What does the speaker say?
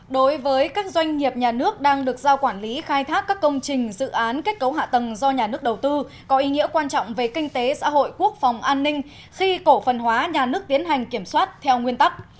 đối với các doanh nghiệp nhà nước đang được giao quản lý khai thác các công trình dự án kết cấu hạ tầng do nhà nước đầu tư có ý nghĩa quan trọng về kinh tế xã hội quốc phòng an ninh khi cổ phần hóa nhà nước tiến hành kiểm soát theo nguyên tắc